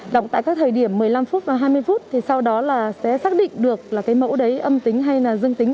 đọc tại các thời điểm một mươi năm phút và hai mươi phút sau đó sẽ xác định được mẫu đấy âm tính hay dưng tính